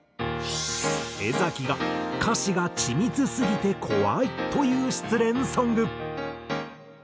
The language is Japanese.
江が歌詞が緻密すぎて怖いという失恋ソング。